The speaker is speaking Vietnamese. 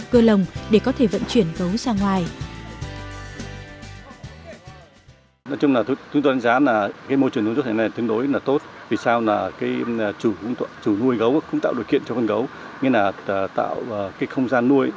cơ lồng để có thể vận chuyển gấu ra ngoài